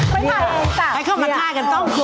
ไม่ใช่ให้เข้ามาท่ายกันต้องคน